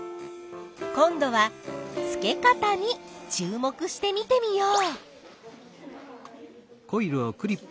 今度は付け方に注目して見てみよう！